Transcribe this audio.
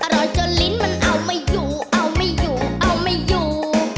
อร่อยจนลิ้นมันเอาไม่อยู่เอาไม่อยู่เอาไม่อยู่